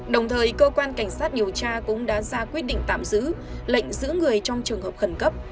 đồng thời cơ quan cảnh sát điều tra cũng đã ra quyết định tạm giữ lệnh giữ người trong trường hợp khẩn cấp